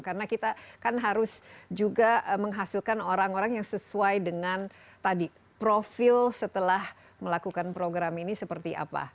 karena kita kan harus juga menghasilkan orang orang yang sesuai dengan tadi profil setelah melakukan program ini seperti apa